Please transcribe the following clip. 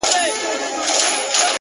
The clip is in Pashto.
تا په درد كاتــــه اشــــنــــا”